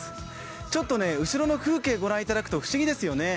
ちょっと、後ろの風景御覧いただくと不思議ですよね。